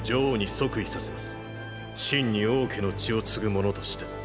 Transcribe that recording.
真に王家の血を継ぐ者として。